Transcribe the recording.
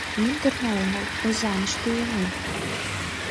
— Мӱндырнӧ огыл, Озаҥыште, илем.